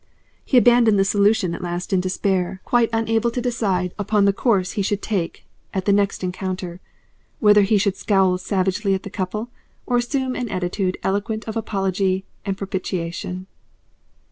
He abandoned the solution at last in despair, quite unable to decide upon the course he should take at the next encounter, whether he should scowl savagely at the couple or assume an attitude eloquent of apology and propitiation.